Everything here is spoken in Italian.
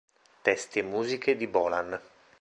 Testi e musiche di Bolan.